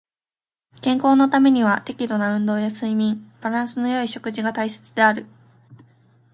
健康のためには適度な運動や睡眠、バランスの良い食事が大切である。